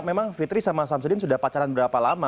memang fitri sama samsudin sudah pacaran berapa lama